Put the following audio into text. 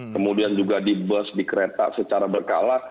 kemudian juga di bus di kereta secara berkala